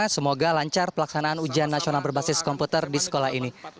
semoga lancar pelaksanaan ujian nasional berbasis komputer di sekolah ini